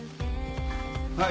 はい。